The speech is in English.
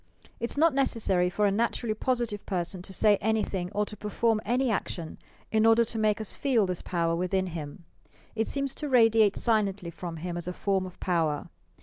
It is not necessary for a naturally positive person to say anything or to perform any action in order to make us feel this power within him. It seems to radiate silently from him as a form of power.